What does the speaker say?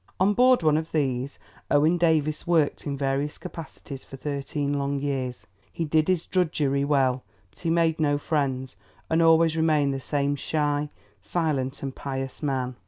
On board one of these, Owen Davies worked in various capacities for thirteen long years. He did his drudgery well; but he made no friends, and always remained the same shy, silent, and pious man.